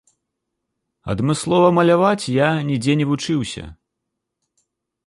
Адмыслова маляваць я нідзе не вучыўся.